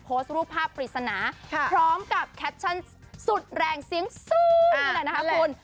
โพสต์รูปภาพปริศนาพร้อมกับแคปชั่นสุดแรงเสียงสูงนี่แหละนะคะคุณ